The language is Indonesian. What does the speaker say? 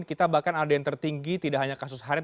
kita bahkan ada yang tertinggi tidak hanya kasus harian